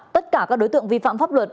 tất cả các đối tượng vi phạm pháp luật